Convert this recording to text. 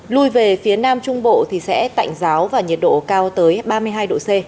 lùi về phía nam trung bộ thì sẽ tạnh giáo và nhiệt độ cao tới ba mươi hai độ c